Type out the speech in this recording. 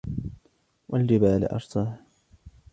والجبال أرساها